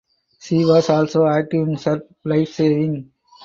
She was also active in surf lifesaving.